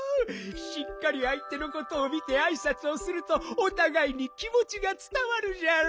しっかりあい手のことを見てあいさつをするとおたがいに気もちがつたわるじゃろ？